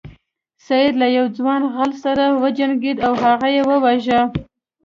سید له یو ځوان غل سره وجنګیده او هغه یې وواژه.